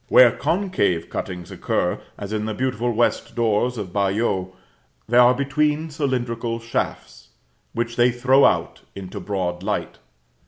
Where concave cuttings occur, as in the beautiful west doors of Bayeux, they are between cylindrical shafts, which they throw out into broad light.